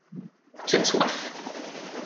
Tu as soif.